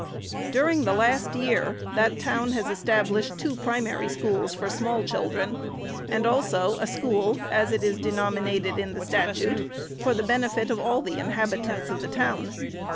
During the last year, the town has established two pri mary schools for small children, and also a school (as it is denominated in the statute) for the benefit of all the inhabitants of the town.